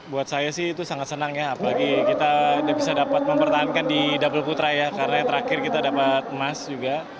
buat saya sih itu sangat senang ya apalagi kita bisa dapat mempertahankan di double putra ya karena yang terakhir kita dapat emas juga